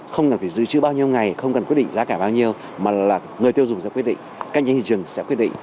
không cần phải dự trữ bao nhiêu ngày không cần quyết định giá cả bao nhiêu mà là người tiêu dùng sẽ quyết định cạnh tranh thị trường sẽ quyết định